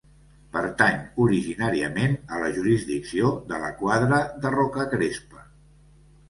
Pertany originàriament a la jurisdicció de la Quadra de Rocacrespa.